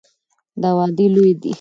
دا وعدې لویې دي.